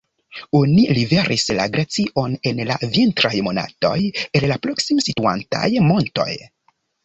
Oni liveris la glacion en la vintraj monatoj el la proksime situantaj montoj.